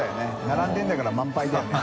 並んでるんだから満杯だよね。